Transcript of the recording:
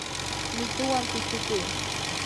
mituwan pichukuy.